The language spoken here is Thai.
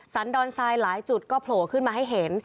สันดอนทรายหลายจุดก็โผล่ขึ้นมาให้เห็น